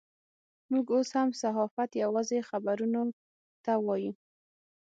موږ اوس هم صحافت یوازې خبرونو ته وایو.